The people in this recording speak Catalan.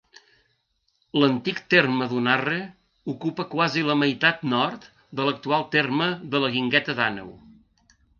L'antic terme d'Unarre ocupa quasi la meitat nord de l'actual terme de la Guingueta d'Àneu.